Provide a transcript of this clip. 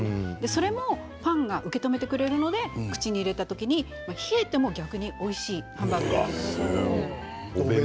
それもパンが受け止めてくれるので口に入れた時に冷えても逆においしい。